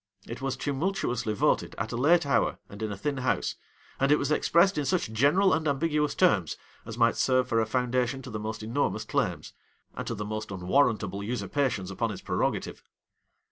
It was tumultuously voted, at a late hour, and in a thin house; and it was expressed in such general and ambiguous terms,[*] as might serve for a foundation to the most enormous claims, and to the most unwarrantable usurpations upon his prerogative.